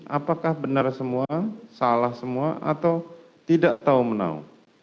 apakah benar semua salah semua atau tidak tahu menau